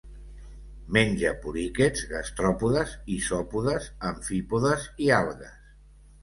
Menja poliquets, gastròpodes, isòpodes, amfípodes i algues.